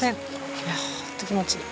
いやホント気持ちいい。